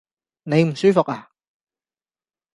你唔舒服呀？